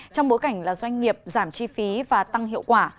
trong bối cảnh doanh nghiệp giảm chi phí và tăng hiệu quả